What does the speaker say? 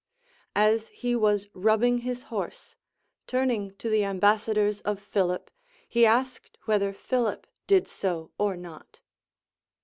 As he was rubbing his horse, turning to the ambassadors of Philip, he asked whether Philip did so or not.